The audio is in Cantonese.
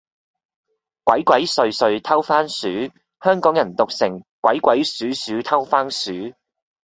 鬼鬼祟祟偷番薯，香港人讀成，鬼鬼鼠鼠偷番薯